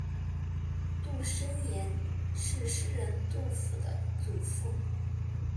杜审言是诗人杜甫的祖父。